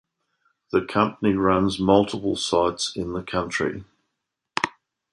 The company runs multiple sites in the country.